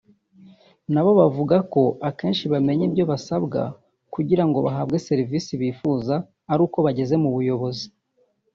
na bo bavuga ko akenshi bamenya ibyo basabwa kugira ngo bahabwe serivisi bifuza ari uko bageze mu buyobozi